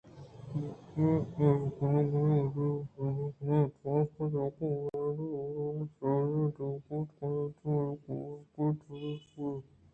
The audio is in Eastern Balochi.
اے ایر لینگر ءِ ردی نہ اَت بلکیں جاگہ ءِ واہُندیں زالبول ءِ تیزیں دماگ اَت کہ آمردماں ءَ یک پارگی تہا پُترگ ءَ دارگ ءَ اَت